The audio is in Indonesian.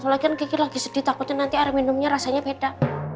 soalnya kan kiki sedih lagi takutnya nanti air minumnya rasanya beda